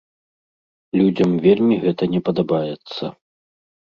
Людзям вельмі гэта не падабаецца.